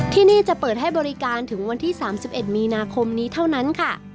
ที่นี่จะเปิดให้บริการถึงวันที่๓๑มีนาคมนี้เท่านั้นค่ะ